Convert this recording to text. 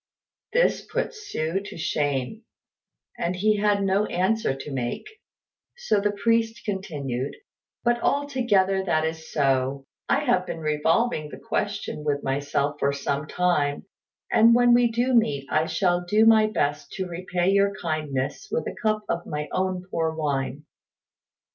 This put Hsü to shame, and he had no answer to make; so the priest continued, "But although that is so, I have been revolving the question with myself for some time, and when we do meet I shall do my best to repay your kindness with a cup of my own poor wine."